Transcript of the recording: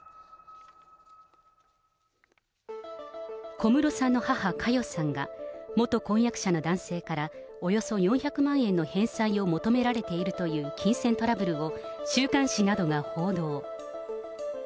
小室さんの母、佳代さんが、元婚約者の男性からおよそ４００万円の返済を求められているという金銭トラブルを、週刊誌などが報道。